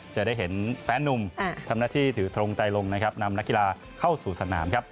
จะได้เห็นแฟนนุ่มทำหน้าที่ถือทงไตลงนะครับนำนักกีฬาเข้าสู่สนามครับ